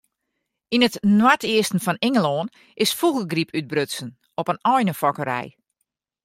Yn it noardeasten fan Ingelân is fûgelgryp útbrutsen op in einefokkerij.